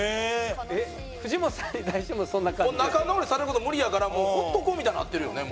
えっ藤本さんに対してもそんな感じ？仲直りさせる事無理やから放っとこうみたいになってるよね？